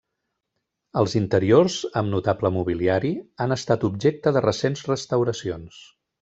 Els interiors, amb notable mobiliari, han estat objecte de recents restauracions.